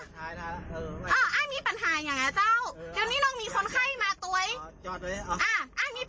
เดี๋ยวเดี๋ยวผมตัวอย่างผมมีคนไข้เยอะมากนะครับ